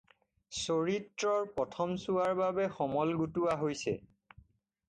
চৰিত্ৰৰ প্ৰথম ছোৱাৰ বাবে সমল গোটোৱা হৈছে